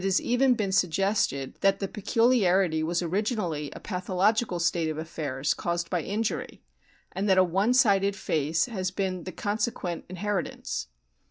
SOME INTERNAL STRUCTURES 49 even been suggested that the peculiarity was originally a pathological state of affairs caused by injury, and that a one sided face has been the consequent inheri tance.